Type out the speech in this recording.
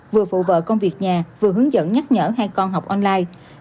vừa phụ vợ công việc nhà vừa hướng dẫn nhắc nhở hai con học online